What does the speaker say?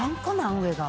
上が。